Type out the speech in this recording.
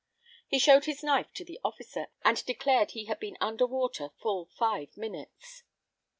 He shewed his knife to the officer, and declared he had been under water full five minutes.